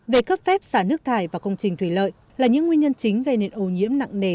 về cấp phép xả nước thải và công trình thủy lợi là những nguyên nhân chính gây nên ô nhiễm nặng nề